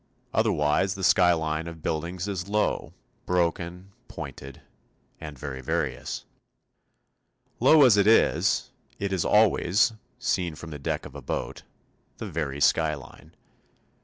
Otherwise the skyline of buildings is low, broken, pointed, and very various. Low as it is, it is always seen from the deck of a boat the very skyline.